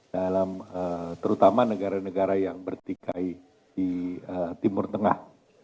dalam terutama negara negara yang bertikai di timur tengah